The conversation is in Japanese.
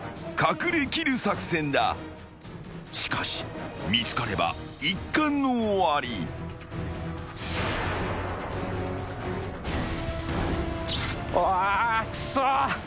［しかし見つかれば一巻の終わり］くそ。